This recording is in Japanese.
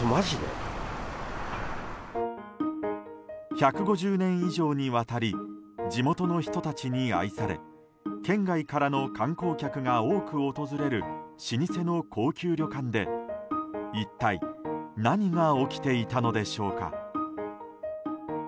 １５０年以上にわたり地元の人たちに愛され県外からの観光客が多く訪れる老舗の高級旅館で一体何が起きていたのでしょうか。